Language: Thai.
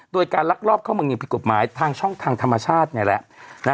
โดยการลักลอบเข้าเมืองอย่างผิดกฎหมายทางช่องทางธรรมชาตินี่แหละ